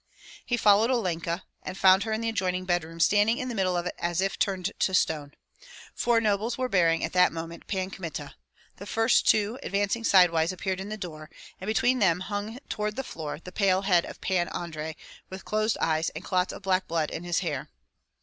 He followed Olenka, and found her in the adjoining bed room standing in the middle of it as if turned to stone. Four nobles were bearing in at that moment Pan Kmita; the first two advancing sidewise appeared in the door, and between them hung toward the floor the pale head of Pan Andrei, with closed eyes, and clots of black blood in his hair.